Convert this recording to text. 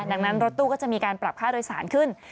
ดังนั้นรถตู้ก็จะมีการปรับค่าโดยสารขึ้น